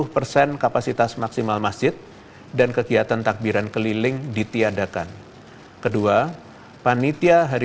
pertama pelaksanaan takbiran dilakukan dengan kebenaran